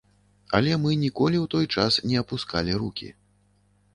Але мы ніколі ў той час не апускалі рукі.